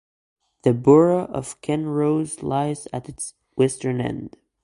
The burgh of Kinross lies at its western end.